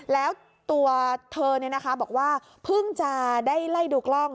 แล้วตัวเธอบอกว่าเพิ่งจะได้ไล่ดูกล้อง